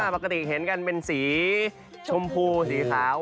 ปกติเห็นกันเป็นสีชมพูสีขาว